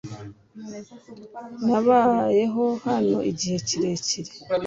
Nabayeho hano igihe kirekire .